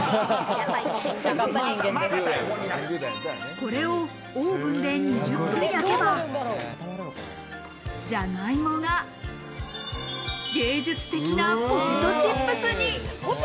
これをオーブンで２０分焼けば、じゃがいもが芸術的なポテトチップスに。